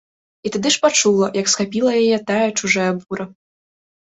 І тады ж пачула, як схапіла яе тая чужая бура.